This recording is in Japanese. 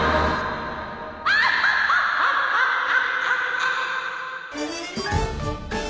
アハハハハハ！